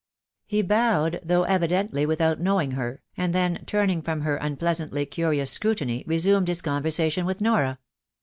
He bowed, though evidently without knowing her, and then, turning from her unpleasantly curious scrutiny, resumed his conversation with Nora.